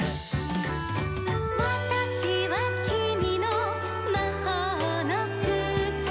「『わたしはきみのまほうのくつ』」